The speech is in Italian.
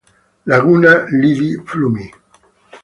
Laguna, lidi, fiumi.